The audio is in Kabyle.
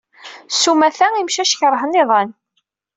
S umata, imcac keṛhen iḍan.